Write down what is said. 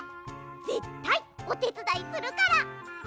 ぜったいおてつだいするから。